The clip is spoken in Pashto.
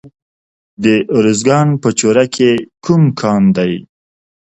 د ارزګان په چوره کې کوم کان دی؟